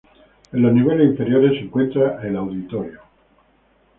En los niveles inferiores se encuentra el auditorio.